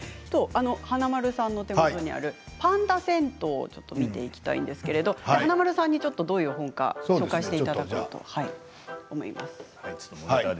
華丸さんのところにある「パンダ銭湯」ちょっと見ていきたいんですけれど華丸さんにどういう本か、紹介していただきます。